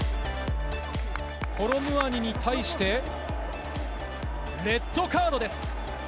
コロムアニに対してレッドカードです。